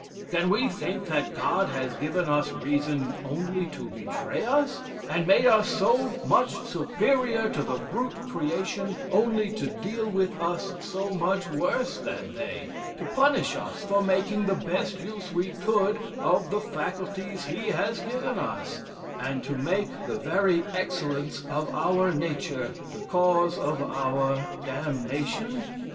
Can we think that God has given us reason only to betray us, and made us so much superior to the brute creation, only to deal with us so much worse than they, to punish us for making the best use we could of the faculties he has given us, and to make the very excellence of our nature the cause of our damnation?'"